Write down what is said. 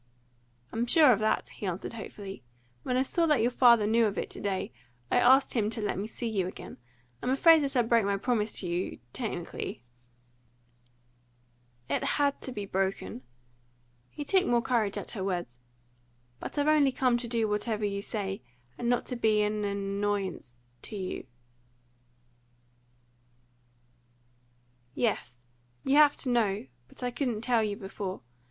"I'm sure of that," he answered hopefully. "When I saw that your father knew of it to day, I asked him to let me see you again. I'm afraid that I broke my promise to you technically " "It had to be broken." He took more courage at her words. "But I've only come to do whatever you say, and not to be an annoyance to you " "Yes, you have to know; but I couldn't tell you before.